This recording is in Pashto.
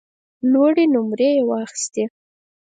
لوړې نمرې یې واخیستې.